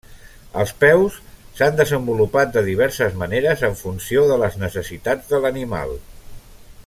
Els peus s'han desenvolupat de diverses maneres en funció de les necessitats de l'animal.